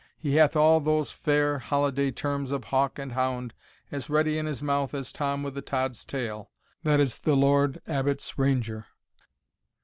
He hath all those fair holiday terms of hawk and hound as ready in his mouth as Tom with the tod's tail, that is the Lord Abbot's ranger."